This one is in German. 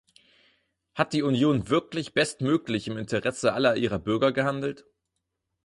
Hat die Union wirklich bestmöglich im Interesse aller ihrer Bürger gehandelt?